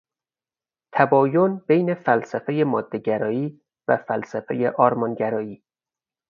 تباین بین فلسفهی مادهگرایی و فلسفهی آرمانگرایی